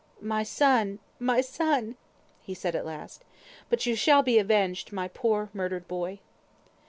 "My son! my son!" he said, at last. "But you shall be avenged, my poor murdered boy."